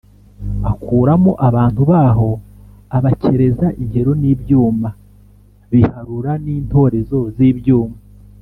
Akuramo abantu baho abakereza inkero n’ibyuma biharura n’intorezo z’ibyuma